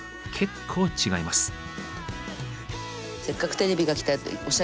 結構違います。